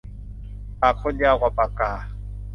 ปากคนยาวกว่าปากกา